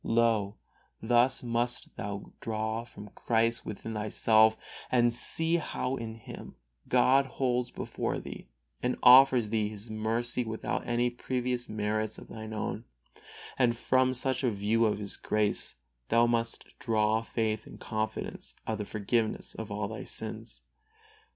Lo! thus must thou form Christ within thyself and see how in Him God holds before thee and offers thee His mercy without any previous merits of thine own, and from such a view of His grace must thou draw faith and confidence of the forgiveness of all thy sins.